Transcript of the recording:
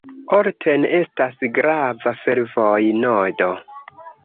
Olten estas grava fervoj-nodo.